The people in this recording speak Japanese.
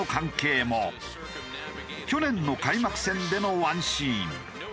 去年の開幕戦でのワンシーン。